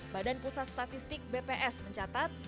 badan pusat statistik bps mencatat